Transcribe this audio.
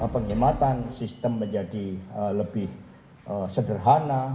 penghematan sistem menjadi lebih sederhana